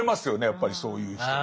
やっぱりそういう人って。